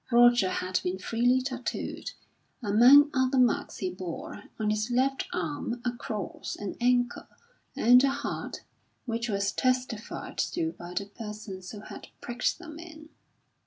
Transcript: Roger had been freely tattooed. Among other marks he bore, on his left arm, a cross, an anchor, and a heart which was testified to by the persons who had pricked them in.